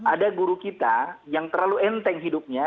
ada guru kita yang terlalu enteng hidupnya